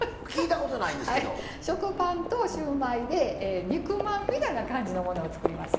食パンとシューマイで肉まんみたいな感じのものを作りますよ。